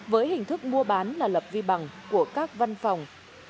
với hình thức mua bán là lập vi bằng của các văn phòng